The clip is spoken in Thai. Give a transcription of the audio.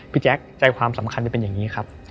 แจ๊คใจความสำคัญจะเป็นอย่างนี้ครับ